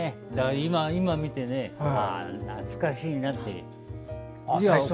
今、見て懐かしいなって。